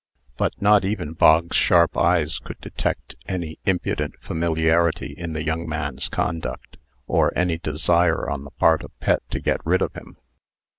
But not even Bog's sharp eyes could detect any impudent familiarity in the young man's conduct, or any desire on the part of Pet to get rid of him.